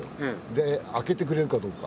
で開けてくれるかどうか。